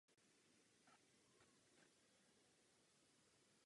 Obraz získal bronzovou medaili na světové výstavě ve Vídni.